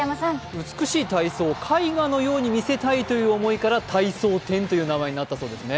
美しい体操を絵画のように見せたいという思いから「体操展」という名前になったそうですね。